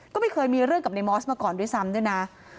ก็ไม่เคยมีเรื่องกับในมอสมาก่อนด้วยซ้ำด้วยนะ